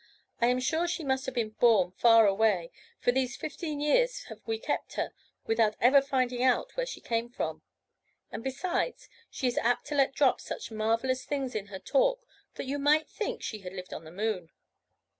I am sure she must have been born far away, for these fifteen years have we kept her, without ever finding out where she came from; and besides, she is apt to let drop such marvellous things in her talk, that you might think she had lived in the moon.